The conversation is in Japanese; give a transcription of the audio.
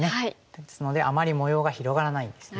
ですのであまり模様が広がらないんですね。